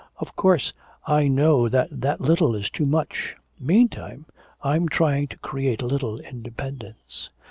Of course I know that that little is too much. Meantime, I'm trying to create a little independence.'